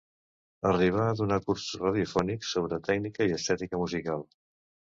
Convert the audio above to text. Arribà a donar cursos radiofònics sobre tècnica i estètica musical.